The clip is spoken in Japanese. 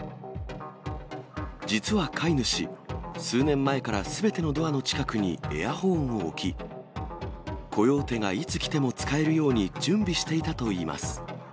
実は飼い主、数年前からすべてのドアの近くにエアホーンを置き、コヨーテがいつ来ても使えるように準備していたといいます。